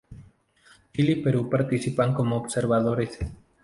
Chile y Perú participan como observadores.